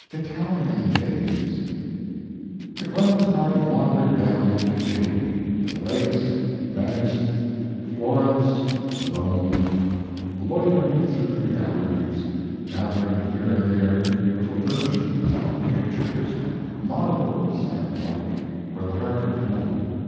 ITALIAN DAYS The Clemens party wandered down into Italy to the lakes, Venice, Florence, Rome loitering through the galleries, gathering here and there beautiful furnishings pictures, marbles, and the like for the Hartford home.